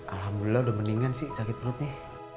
alhamdulillah udah mendingan sih sakit perutnya